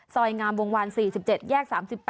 งามวงวาน๔๗แยก๓๘